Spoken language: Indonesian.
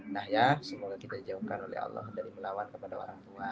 nah ya semoga kita dijauhkan oleh allah dari melawan kepada orang tua